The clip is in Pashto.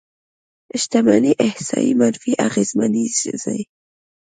شتمنۍ احصایې منفي اغېزمنېږي.